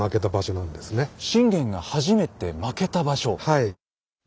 はい。